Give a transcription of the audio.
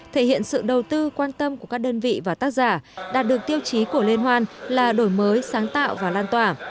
thể hiện sự đầu tư quan tâm của các đơn vị và tác giả đạt được tiêu chí của liên hoan là đổi mới sáng tạo và lan tỏa